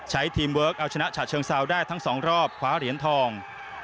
ทีมเวิร์คเอาชนะฉะเชิงเซาได้ทั้งสองรอบคว้าเหรียญทอง